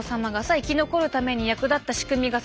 生き残るために役立った仕組みがさ